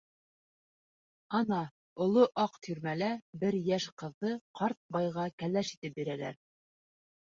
Ана, оло аҡ тирмәлә бер йәш ҡыҙҙы ҡарт байға кәләш итеп бирәләр.